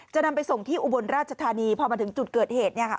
จะนำไปส่งที่อุบลราชธานีพอมาถึงจุดเกิดเหตุเนี่ยค่ะ